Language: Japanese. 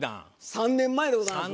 ３年前でございます。